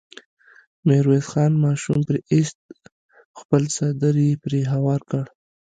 ميرويس خان ماشوم پرې ايست، خپل څادر يې پرې هوار کړ.